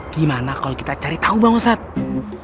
gimana kalo kita cari tau bang ustadz